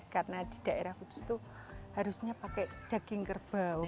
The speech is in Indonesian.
karena di daerah kudus itu harusnya pakai daging kerbau